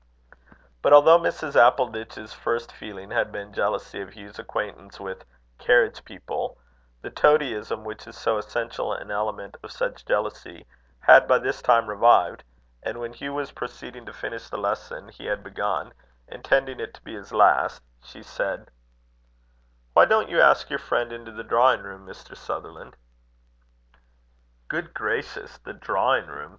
But although Mrs. Appleditch's first feeling had been jealousy of Hugh's acquaintance with "carriage people," the toadyism which is so essential an element of such jealousy, had by this time revived; and when Hugh was proceeding to finish the lesson he had begun, intending it to be his last, she said: "Why didn't you ask your friend into the drawing room, Mr. Sutherland?" "Good gracious! The drawing room!"